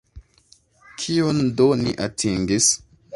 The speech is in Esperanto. Kion do ni atingis?